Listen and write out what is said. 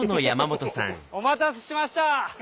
お待たせしました！